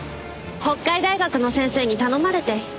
北海大学の先生に頼まれて。